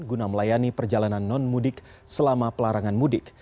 guna melayani perjalanan non mudik selama pelarangan mudik